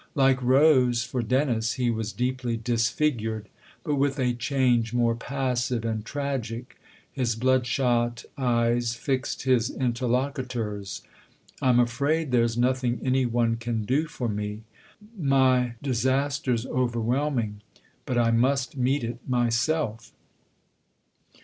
Like Rose, for Dennis, he was deeply disfigured, but with a change more passive and tragic. His bloodshot eyes fixed his interlocutor's. " I'm afraid there's nothing any one can do for me. My disaster's over whelming ; but I must meet it myself."